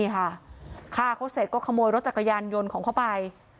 นี่ค่ะฆ่าเขาเสร็จก็ขโมยรถจักรยานยนต์ของเขาไป